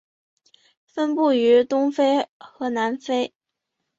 分布于东非和南非。